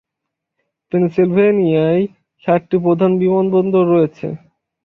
পেনসিলভেনিয়ায় সাতটি প্রধান বিমানবন্দর রয়েছে।